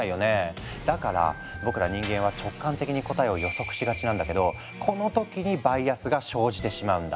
だから僕ら人間は直感的に答えを予測しがちなんだけどこの時にバイアスが生じてしまうんだ。